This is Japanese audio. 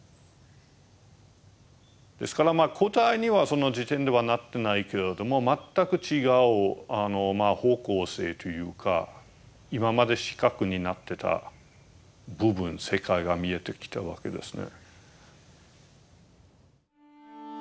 ですから答えにはその時点ではなってないけれども全く違う方向性というか今まで死角になってた部分世界が見えてきたわけですね。